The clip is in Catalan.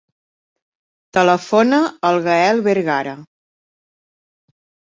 Telefona al Gaël Vergara.